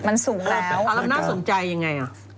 มันสูงแล้วน่าสนใจยังไงอ่ะ